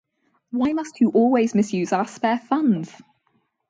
Why must you always misuse our spare funds!